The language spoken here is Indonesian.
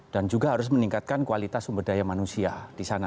dan juga harus meningkatkan kualitas sumber daya manusia di sana